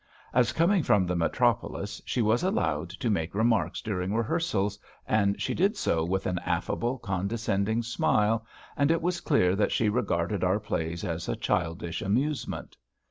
As coming from the metropolis, she was allowed to make remarks during rehearsals, and she did so with an affable, condescending smile, and it was clear that she regarded our plays as a childish amusement.